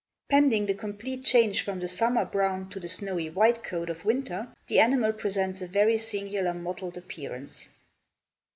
Pending the complete change from the summer brown to the snowy white coat of winter, the animal presents a very singular mottled appearance.